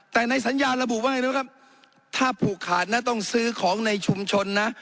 แต่ในสัญญาระบุว่าไงรู้ไหมครับถ้าผูกขาดนะต้องซื้อของในชุมชนนะ